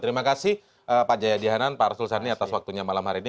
terima kasih pak jaya dihanan pak rasul sarni atas waktunya malam hari ini